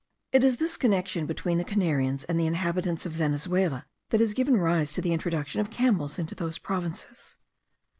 It is this connexion between the Canarians and the inhabitants of Venezuela, that has given rise to the introduction of camels into those provinces.